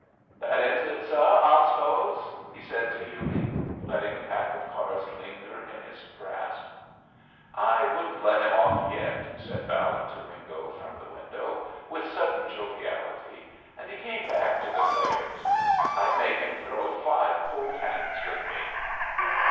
"That ends it, suh, I suppose?" he said to Hewley, letting the pack of cards linger in his grasp. "I wouldn't let him off yet," said Ballard to Wingo from the window, with sudden joviality, and he came back to the players. "I'd make him throw five cold hands with me."